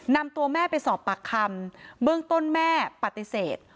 นำตัวแม่ไปสอบปากคำเบื้องต้นแม่ปฏิเสธ